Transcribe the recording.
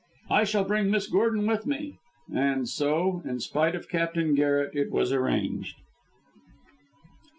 I shall bring Miss Gordon with me," and so, in spite of Captain Garret, it was arranged.